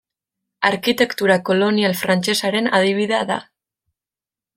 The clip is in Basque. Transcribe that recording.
Arkitektura kolonial frantsesaren adibidea da.